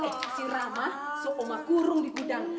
eh si rama sup oma kurung di gudang